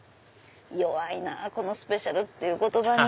弱いなぁスペシャルって言葉に。